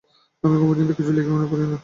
আমি এখন পর্যন্ত কিছু লিখিওনি, পড়িওনি।